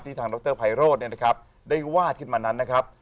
ทางดรไพโรธเนี่ยนะครับได้วาดขึ้นมานั้นนะครับ